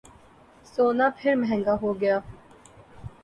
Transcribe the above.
سونا پھر مہنگا ہوگیا